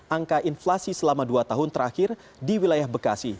angka inflasi selama dua tahun terakhir di wilayah bekasi